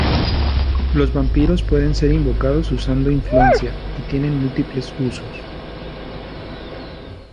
Los vampiros pueden ser invocados usando influencia, y tienen múltiples usos.